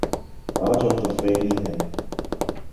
آج ہم طفیلی ہیں۔